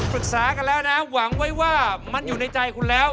ปรึกษากันแล้วนะหวังไว้ว่ามันอยู่ในใจคุณแล้ว